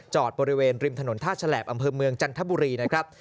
บริเวณริมถนนท่าฉลาบอำเภอเมืองจันทบุรีนะครับ